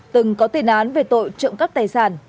từng có tiền án về tội trộm cắp tài sản